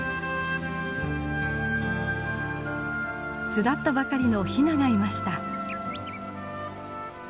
巣立ったばかりのひながいました。